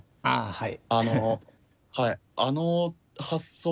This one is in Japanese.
はい。